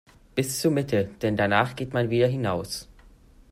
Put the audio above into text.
Bis zur Mitte, denn danach geht man wieder hinaus.